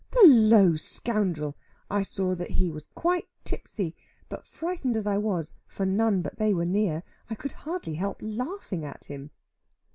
The low scoundrel! I saw that he was quite tipsy. But frightened as I was, for none but they were near, I could hardly help laughing at him.